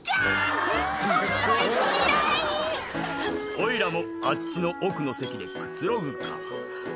「おいらもあっちの奥の席でくつろぐか」